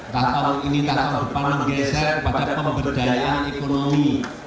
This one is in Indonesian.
tahap tahun ini tahap depan menggesa kepada pemberdayaan ekonomi